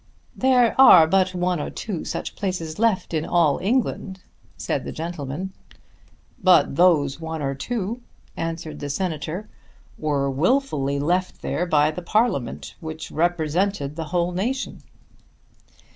"There are but one or two such places left in all England," said the gentleman. "But those one or two," answered the Senator, "were wilfully left there by the Parliament which represented the whole nation."